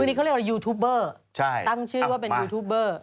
นี่เขาเรียกว่ายูทูบเบอร์ตั้งชื่อว่าเป็นยูทูปเบอร์